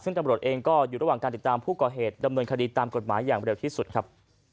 ซึ่งตำรวจเองก็อยู่ระหว่างการติดตามผู้ก่อเหตุดำเนินคดีตามกฎหมายอย่างเร็วที่สุดครับ